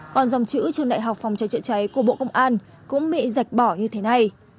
còn dòng chữ trường đại học phòng cháy chữa cháy của bộ công an cũng bị giạch bỏ như thế này